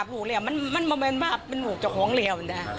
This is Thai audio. ที่เรามาทำตายไปแล้วนะ